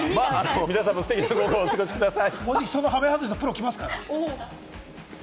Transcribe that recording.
皆さんもステキな午後をお過ごしください。